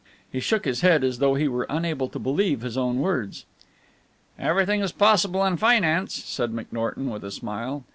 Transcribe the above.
He shook his head as though he were unable to believe his own words. "Everything is possible in finance," said McNorton with a smile.